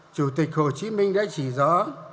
chủ tịch hồ chí minh đã chỉ rõ